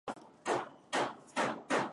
kuunda redio ya mtandao siyo vigumu sana